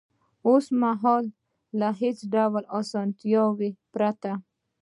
اوس مهال له هېڅ ډول اسانتیاوو پرته